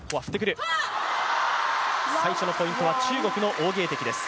最初のポイントは中国の王ゲイ迪です。